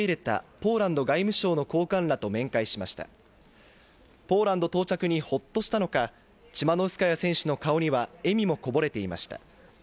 ポーランド到着にほっとしたのか、チマノウスカヤ選手の顔には笑みもこぼれていました。